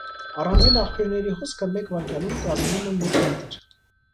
Առանձին աղբյուրների հոսքը մեկ վայրկյանում կազմում է մեկ լիտր։